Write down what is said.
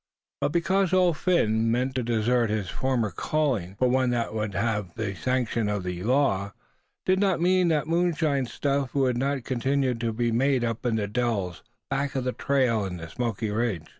But because Old Phin meant to desert his former calling for one that would have the sanction of the law, did not mean that moonshine stuff would not continue to be made up in the dells back of the trail in the Smoky Range.